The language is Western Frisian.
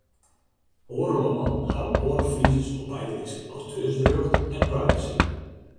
Oare lannen hawwe oare fyzjes op bygelyks auteursrjocht en privacy.